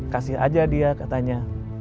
kasih aja dia katanya